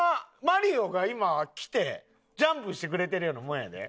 マリオが今来てジャンプしてくれてるようなもんやで。